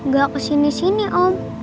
gak kesini sini om